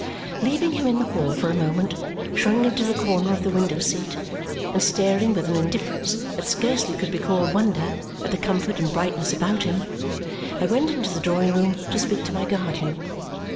Leaving him in the hall for a moment, shrunk into the corner of the window seat and staring with an indifference that scarcely could be called wonder at the comfort and brightness about him, I went into the drawing room to speak to my guardian.